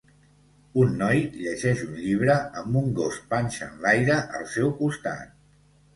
Un noi llegeix un llibre amb un gos panxa enlaire al seu costat.